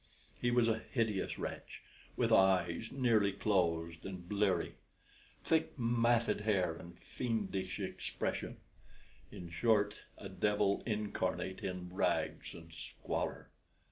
He was a hideous wretch, with eyes nearly closed and bleary, thick, matted hair, and fiendish expression in short, a devil incarnate in rags and squalor.